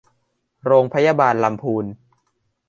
โรงพยาบาลลำพูน